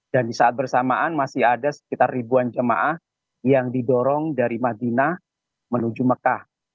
dan di saat bersamaan masih ada sekitar ribuan jemaah yang didorong dari madinah menuju mekah